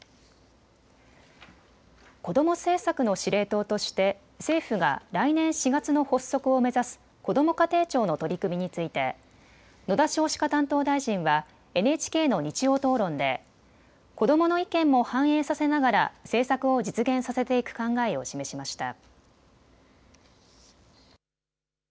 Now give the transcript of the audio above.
子ども政策の司令塔として政府が来年４月の発足を目指すこども家庭庁の取り組みについて野田少子化担当大臣はＮＨＫの日曜討論で子どもの意見も反映させながら政策を実現させていく考えを示しました。